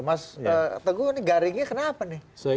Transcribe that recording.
mas teguh ini garingnya kenapa nih